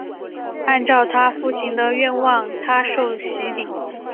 按照她父亲的愿望她受洗礼。